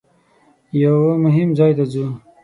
یوه مهم ځای ته ځو.